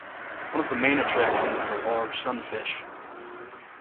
One of the main attractions is a large sunfish.